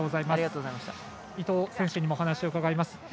伊藤選手にもお話を伺います。